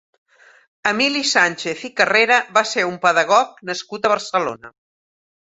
Emili Sànchez i Carrera va ser un pedagog nascut a Barcelona.